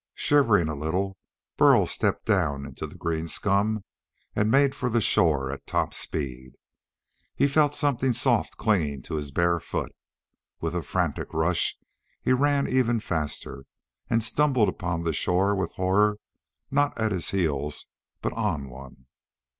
Shivering a little, Burl stepped down into the green scum and made for the shore at top speed. He felt something soft clinging to his bare foot. With a frantic rush he ran even faster and stumbled upon the shore with horror not at his heels but on one.